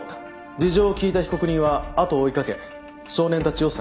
事情を聞いた被告人は後を追い掛け少年たちを捜した。